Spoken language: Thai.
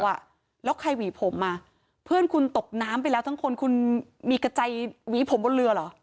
แล้วใครหวีผมอ่ะเพื่อนคุณตกน้ำไปแล้วทั้งคนคุณมีกระใจหวีผมบนเรือเหรอ